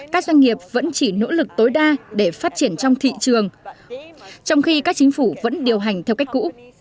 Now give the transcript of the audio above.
các doanh nghiệp vẫn chỉ nỗ lực tối đa để phát triển trong thị trường trong khi các chính phủ vẫn điều hành theo cách cũ